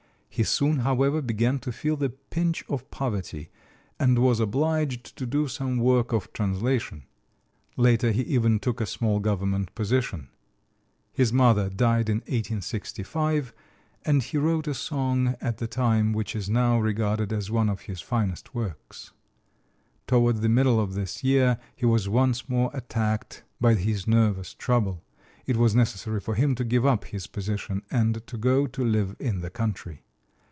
He soon, however, began to feel the pinch of poverty and was obliged to do some work of translation. Later he even took a small government position. His mother died in 1865, and he wrote a song at the time which is now regarded as one of his finest works. Toward the middle of this year he was once more attacked by his nervous trouble. It was necessary for him to give up his position and to go to live in the country.